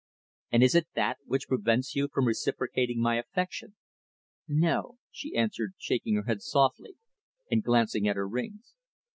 "And is it that which prevents you from reciprocating my affection?" "No," she answered, shaking her head sadly, and glancing at her rings.